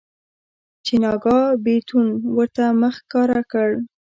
چې ناګاه بيتون ورته مخ ښکاره کړ.